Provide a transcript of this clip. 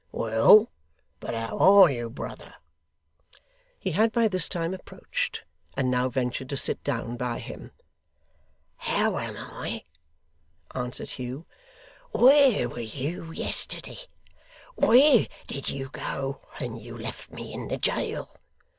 Well, but how are you, brother?' He had by this time approached, and now ventured to sit down by him. 'How am I?' answered Hugh. 'Where were you yesterday? Where did you go when you left me in the jail?